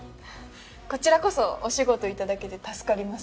こちらこそお仕事頂けて助かります。